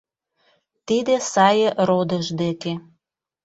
Тиде сае родыж деке